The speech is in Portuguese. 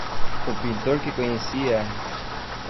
O pintor que conheci é